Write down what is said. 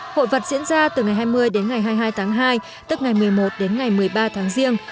hội vật diễn ra từ ngày hai mươi đến ngày hai mươi hai tháng hai tức ngày một mươi một đến ngày một mươi ba tháng riêng